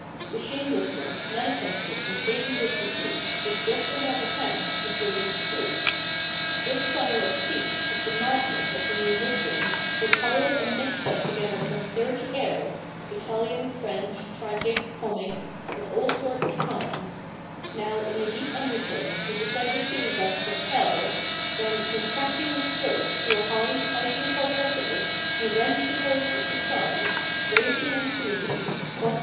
The shamelessness manifested in stating this deceit is just on that account the greatest truth. This style of speech is the madness of the musician " who piled and mixed up together some thirty airs, ItaHan, French, tragic, comic, of aU sorts and kinds ; now, in a deep undertone, he descended to the depths of hell, then, contracting his throat to a high, pipiug falsetto, he rent the vault of the sides, raving and soothing, haughtily V, p.